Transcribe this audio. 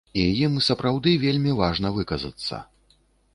І ім сапраўды вельмі важна выказацца.